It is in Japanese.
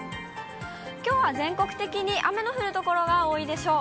きょうは全国的に雨の降る所が多いでしょう。